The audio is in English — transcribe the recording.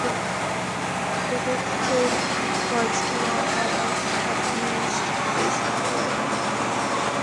The bigoted guards cannot fathom that Beast is literate.